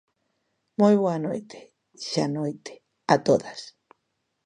Moi boa noite ―xa noite―a todas.